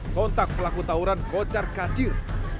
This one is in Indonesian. sontak pelaku tawuran kocar kacir